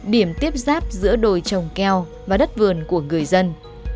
điểm tiếp giáp giữa đồi trồng keo và đất vườn của người dân